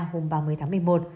hôm ba mươi tháng một mươi một